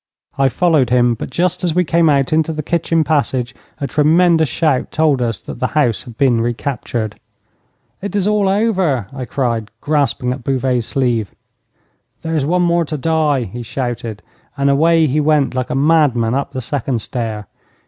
I followed him, but just as we came out into the kitchen passage a tremendous shout told us that the house had been recaptured. 'It is all over,' I cried, grasping at Bouvet's sleeve. 'There is one more to die,' he shouted, and away he went like a madman up the second stair.